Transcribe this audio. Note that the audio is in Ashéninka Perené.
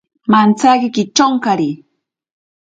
Mantsaki kichonkari.